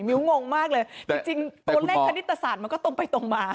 ้วงงมากเลยจริงตัวเลขคณิตศาสตร์มันก็ตรงไปตรงมา